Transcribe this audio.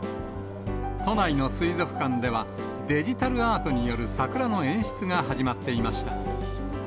都内の水族館では、デジタルアートによる桜の演出が始まっていました。